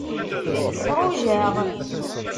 Ṛujaɣ.